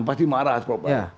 pasti marah asprop